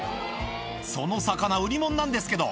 その魚、売りもんなんですけど。